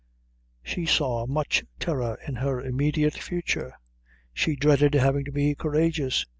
She saw much terror in her immediate future. She dreaded having to be courageous.